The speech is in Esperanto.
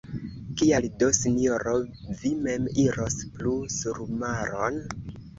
Kial do, sinjoro, vi mem iros plu surmaron?